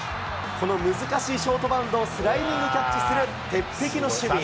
この難しいショートバウンドをスライディングキャッチする鉄さすが。